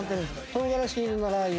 唐辛子入りのラー油